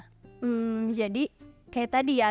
hmm jadi kayak tadi ya